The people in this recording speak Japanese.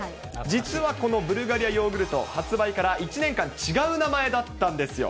実はこのブルガリアヨーグルト、発売から１年間、違う名前だったんですよ。